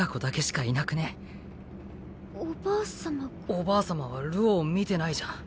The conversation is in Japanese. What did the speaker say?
おばあ様は流鶯を見てないじゃん。